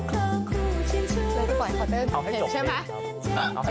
สวัสดีค่า